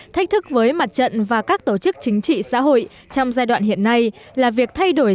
thách thức với mặt trận và các tổ chức chính trị xã hội trong giai đoạn hiện nay là việc thay đổi